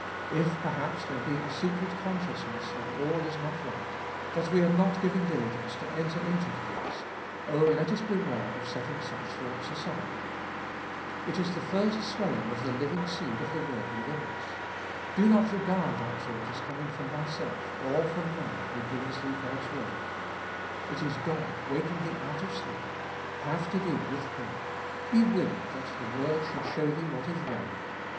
If perhaps there be a secret consciousness that all is not right, that we are not giving diligence to enter into the rest, oh, let us beware of setting such thoughts aside. It is the first swelling of the living seed of the word within us. Do not regard that thought as coming from thyself, or from man who brings thee God's word ; it is God waking thee out of sleep. Have to do with Him. Be willing that the word should show thee what is wrong.